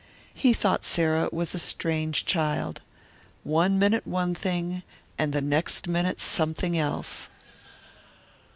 He thought Sarah was a strange child "One minute one thing and the next minute something else."